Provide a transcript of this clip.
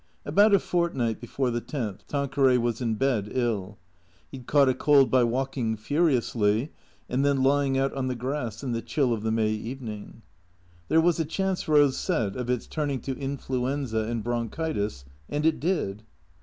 About a fortnight before the tenth, Tanqueray was in bed, ill. He had caught a cold by walking furiously, and then lying out on the grass in the chill of the May evening. There was a chance, Eose said, of its turning to influenza and bronchitis, and it did.